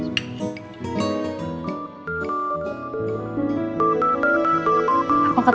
tidak ada apa apa papa